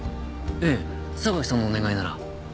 ええ榊さんのお願いなら。